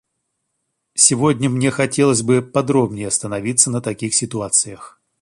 Сегодня мне хотелось бы подробней остановиться на таких ситуациях.